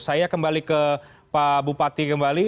saya kembali ke pak bupati kembali